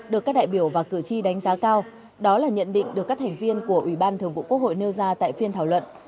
được các đại biểu và cử tri đánh giá cao đó là nhận định được các thành viên của ủy ban thường vụ quốc hội nêu ra tại phiên thảo luận